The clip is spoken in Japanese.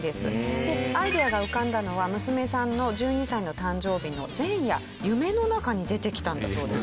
でアイデアが浮かんだのは娘さんの１２歳の誕生日の前夜夢の中に出てきたんだそうです。